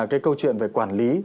cái câu chuyện về quản lý